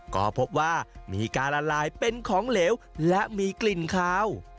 ก็พบว่ามีการละลายเป็นของเหลวและมีกลิ่นคาว